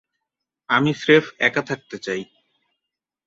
আমি স্রেফ একা থাকতে চাই।